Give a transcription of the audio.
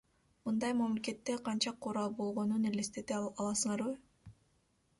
Мындай мамлекетте канча курал болгонун элестете аласыңарбы?